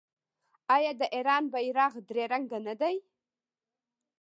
آیا د ایران بیرغ درې رنګه نه دی؟